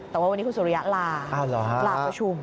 แต่ว่าวันนี้คุณสุริยะลาลาประชุม